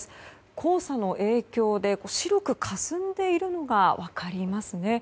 黄砂の影響で白くかすんでいるのが分かりますね。